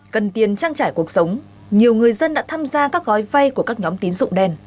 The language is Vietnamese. cần tiền trang trải cuộc sống nhiều người dân đã tham gia các gói vay của các nhóm tín dụng đen